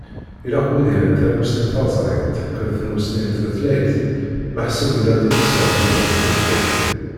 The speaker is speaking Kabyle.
Ilaq wid ilan tamussni taẓrayant akked tmussni n tutlayt meḥsub ila timseɣbula n tutlayt.